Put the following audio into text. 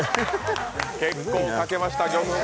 結構かけました、魚粉。